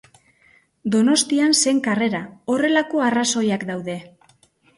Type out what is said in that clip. Donostian zen karrera, horrelako arrazoiak daude.